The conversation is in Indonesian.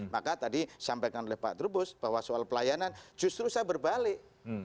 maka tadi sampaikan oleh pak trubus bahwa soal pelayanan justru saya berbalik